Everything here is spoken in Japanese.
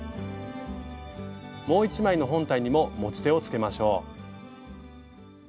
もう１枚の本体にも持ち手をつけましょう。